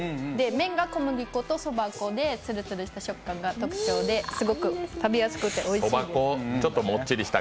麺が小麦粉とそば粉でつるつるとした食感が特徴ですごく食べやすくておいしいです。